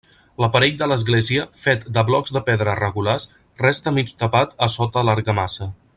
L'aparell de l'església, fet de blocs de pedra regulars, resta mig tapat a sota l'argamassa.